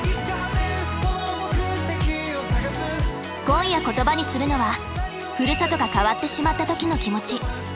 今夜言葉にするのはふるさとが変わってしまった時の気持ち。